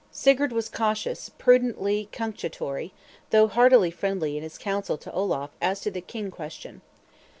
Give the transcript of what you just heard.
Sigurd was cautious, prudentially cunctatory, though heartily friendly in his counsel to Olaf as to the King question.